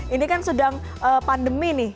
ini kan sedang pandemi nih